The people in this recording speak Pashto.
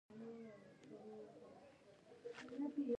زه شکایتي لیک لیکم.